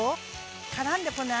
からんでこない？